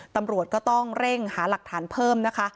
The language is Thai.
ตำรวจก็ต้องเร่งหาหลักฐานเพิ่มนะคะ